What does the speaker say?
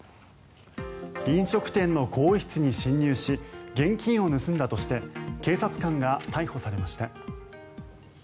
飲食店の更衣室に侵入し現金を盗んだとして警察官が逮捕されました。